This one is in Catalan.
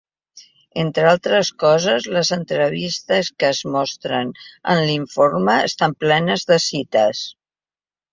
Entre altres coses, les entrevistes que es mostren en l'informe estan plenes de cites.